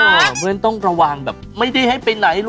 เพราะฉะนั้นต้องระวังแบบไม่ได้ให้ไปไหน